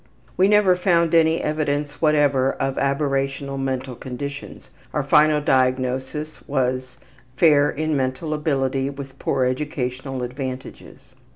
We never found any evidence whatever of aberrational mental conditions. Our final diagnosis was ``fair in mental ability with poor educational advantages.''